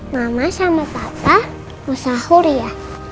mama sama papa mau sahur ya